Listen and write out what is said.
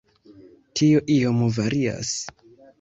Tio iom varias.